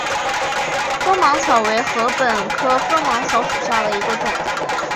锋芒草为禾本科锋芒草属下的一个种。